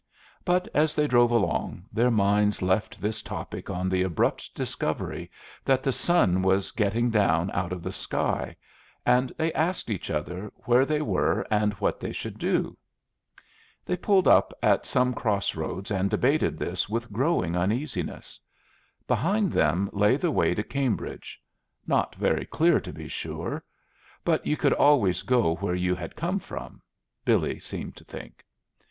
But as they drove along, their minds left this topic on the abrupt discovery that the sun was getting down out of the sky, and they asked each other where they were and what they should do. They pulled up at some cross roads and debated this with growing uneasiness. Behind them lay the way to Cambridge, not very clear, to be sure; but you could always go where you had come from, Billy seemed to think.